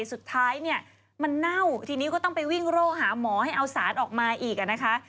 สุดท้ายเนี่ยมันเน่าทีนี้ก็ต้องไปวิ่งโร่หาหมอให้เอาสารออกมาอีกอ่ะนะคะ